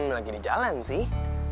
lagi di jalan sih